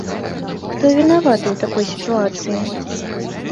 Хто вінаваты у такой сітуацыі?